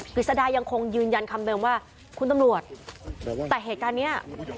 ฤษดายังคงยืนยันคำเดิมว่าคุณตำรวจแต่เหตุการณ์เนี้ย